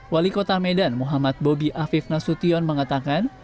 wali kota medan muhammad bobi afif nasution mengatakan